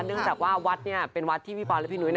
เนื่องจากว่าวัดเป็นวัดที่พี่ปอนและพี่นุ้ย